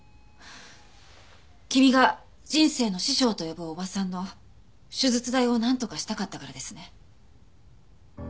君が人生の師匠と呼ぶおばさんの手術代をなんとかしたかったからですね？